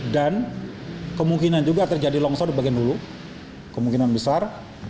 dan kemungkinan juga terjadi longsor di bagian ulu kemungkinan besar